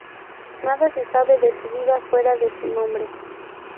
Nada se sabe de su vida fuera de su nombre.